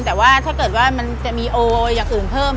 แต่ว่าถ้าเกิดว่ามันจะมีโออย่างอื่นเพิ่ม